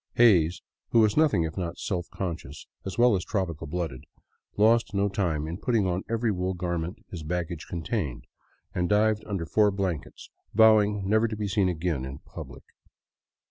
Hays, who was nothing if not self conscious, as well as tropical blooded, lost no time in putting on every wool garment his baggage contained and dived under four blankets vowing never to be seen again in public.